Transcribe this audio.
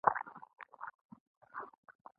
دا به هغه وخت زیاتې شوې کله به چې په خندا شو.